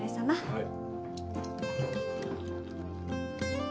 はい。